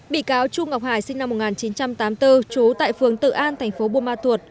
bị cáo trung ngọc hải sinh năm một nghìn chín trăm tám mươi bốn trú tại phường tự an thành phố buôn ma thuột